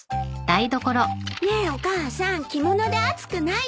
ねえお母さん着物で暑くないの？